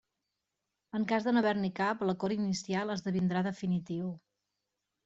En cas de no haver-n'hi cap, l'acord inicial esdevindrà definitiu.